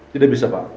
tidak bisa pak